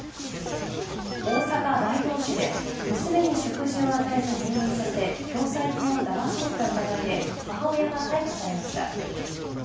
大阪・大東市で娘に食事を与えず入院させ、共済金をだまし取った疑いで母親が逮捕されました。